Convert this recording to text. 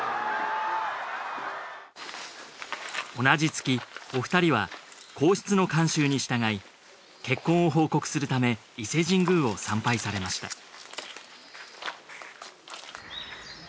同じ月お二人は皇室の慣習に従い結婚を報告するため伊勢神宮を参拝されました